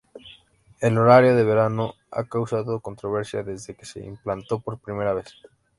El horario de verano ha causado controversia desde que se implantó por primera vez.